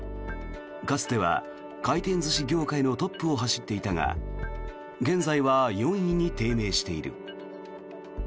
かつては回転寿司業界のトップを走っていたが現在は４位に低迷している。